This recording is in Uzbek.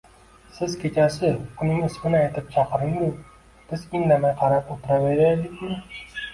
Siz kechasi uning ismini aytib chaqiringu, biz indamay qarab o'tiraveraylikmi